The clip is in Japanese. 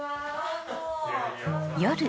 夜。